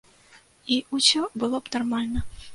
І ўсё было б нармальна.